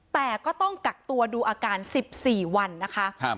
แต่ก็ต้องกักตัวดูอาการ๑๔วันนะคะ